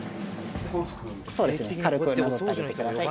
そうですね軽くなでてあげてください。